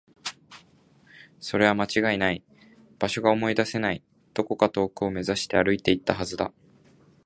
それは間違いない。場所が思い出せない。どこか遠くを目指して歩いていったはずだ。